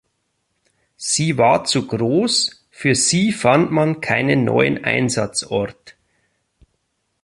Sie war zu groß, für sie fand man keinen neuen Einsatzort.